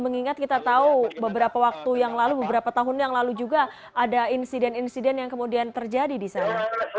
mengingat kita tahu beberapa waktu yang lalu beberapa tahun yang lalu juga ada insiden insiden yang kemudian terjadi di sana